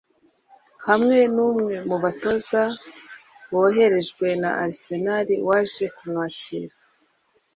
Hamwe n’umwe mu batoza boherejwe na Arsenal waje kumwakira